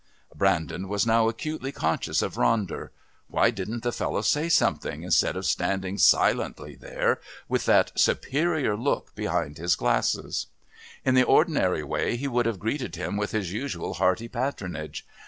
Brandon was now acutely conscious of Ronder. Why didn't the fellow say something instead of standing silently there with that superior look behind his glasses? In the ordinary way he would have greeted him with his usual hearty patronage.